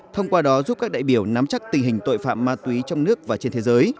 thông qua đó giúp các đại biểu nắm chắc tình hình tội phạm ma túy trong nước và trên thế giới